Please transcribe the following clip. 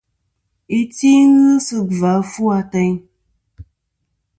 Iti ghɨ sɨ gvà ɨfwo ateyn.